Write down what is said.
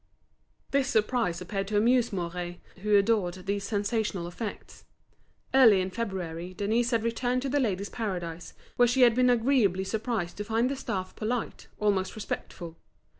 This surprise appeared to amuse Mouret, who adored these sensational effects. Early in February Denise had returned to The Ladies' Paradise, where she had been agreeably surprised to find the staff polite, almost respectful.